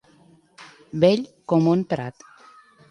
Vell com un prat.